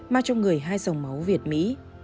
mang trong người hai dòng máu việt mỹ